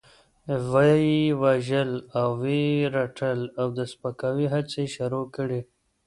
وه يې وژل، وه يې رټل او د سپکاوي هڅې يې شروع کړې.